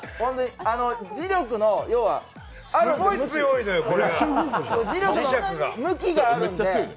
磁力の向きがあるんで。